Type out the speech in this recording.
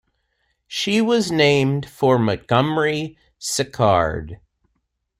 She was named for Montgomery Sicard.